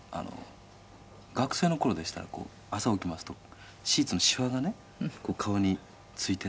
学生の頃でしたら、朝起きますとシーツのシワが顔についてて